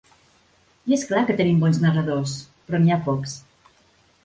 I és clar que tenim bons narradors, però n’hi ha pocs.